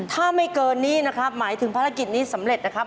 ถ้าไม่เกินนี้นะครับหมายถึงภารกิจนี้สำเร็จนะครับ